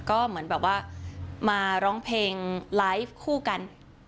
ก็เหมือนแบบว่ามาร้องเพลงไลฟ์คู่กัน